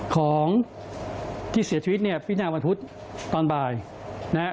ของที่เสียชีวิตเนี่ยพินาวันพุธตอนบ่ายนะฮะ